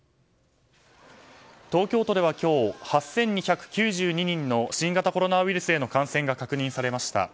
東京都では今日８２９２人の新型コロナウイルスへの感染が確認されました。